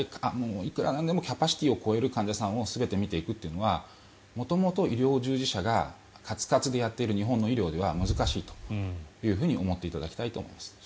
いくらなんでもキャパシティーを超える患者さんを全て診ていくというのは元々、医療従事者がカツカツでやっている日本の医療では難しいというふうに思っていただきたいと思います。